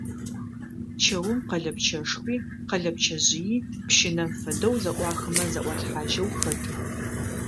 Чэум къэлэпчъэшхуи, къэлэпчъэжъыйи пщынэм фэдэу зэӀуахымэ зэӀуалъхьажьэу хэтых.